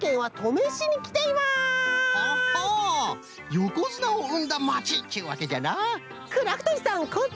よこづなをうんだまちっちゅうわけじゃな！